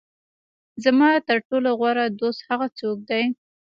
زما تر ټولو غوره دوست هغه څوک دی.